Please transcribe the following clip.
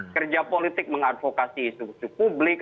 kerja politik mengadvokasi isu isu publik